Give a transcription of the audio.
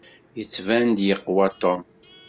Yettban-d yeqwa Tom.